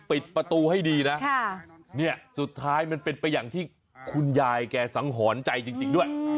ปิดประตูให้ดีนะเนี่ยสุดท้ายมันเป็นไปอย่างที่คุณยายแกสังหรณ์ใจจริงด้วย